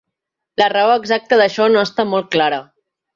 La raó exacta d'això no està molt clara.